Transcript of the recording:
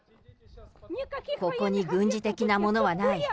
ここに軍事的なものはない。